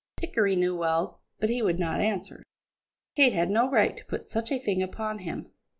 Dickory knew well, but he would not answer; Kate had no right to put such a thing upon him.